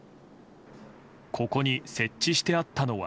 ここに設置してあったのは。